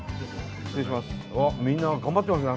失礼します。